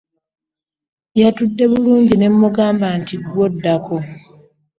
Yatudde bulungi ne mmugamba nti, “Kati ggwe oddako.